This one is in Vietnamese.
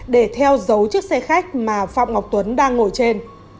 để theo dấu chiếc xe khách mà phạm ngọc tuấn đang ngồi trên